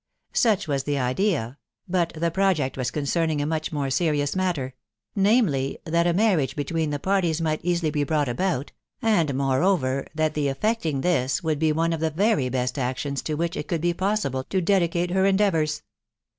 Such was the idea : but the project was concerning a much more serious matter, — namely, that a marriage between the parties might easily be brought about ; and, moreover, that the effecting this would be one of the very best actions to which it could be possible to dedicate her endeavours.